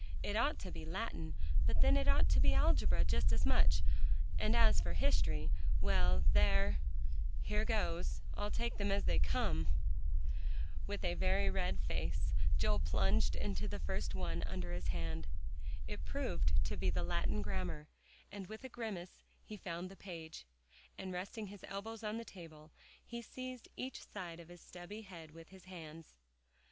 "It ought to be Latin but then it ought to be algebra just as much, and as for history well there here goes, I'll take them as they come." With a very red face Joel plunged into the first one under his hand. It proved to be the Latin grammar, and with a grimace, he found the page, and resting his elbows on the table, he seized each side of his stubby head with his hands.